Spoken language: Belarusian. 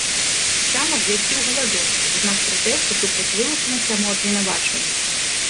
Там абвясціў галадоўку ў знак пратэсту супраць вылучаных яму абвінавачванняў.